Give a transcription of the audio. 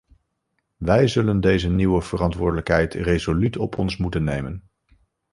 Wij zullen deze nieuwe verantwoordelijkheid resoluut op ons moeten nemen.